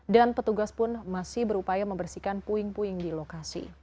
dan petugas pun masih berupaya membersihkan puing puing di lokasi